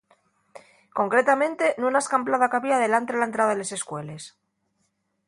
Concretamente, nuna escamplada qu'había delantre la entrada les escueles.